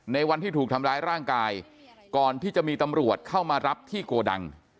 ในวันที่ถูกทำร้ายร่างกายก่อนที่จะมีตำรวจเข้ามารับที่โกดัง